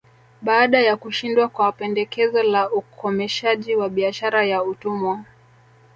Baada ya kushindwa kwa pendekezo la ukomeshaji wa biashara ya utumwa